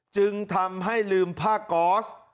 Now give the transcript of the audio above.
จึงทำให้ลืมภาคกอส